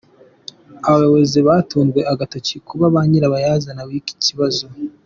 Abayobozi batunzwe agatoki kuba ba nyirabayazana w’iki kibazo.